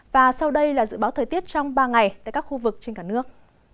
và sau đây là dự báo thời tiết trong ba ngày tại các khu vực trên cả nước